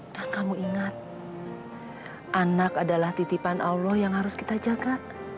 dan kamu ingat anak adalah titipan allah yang harus kita jaga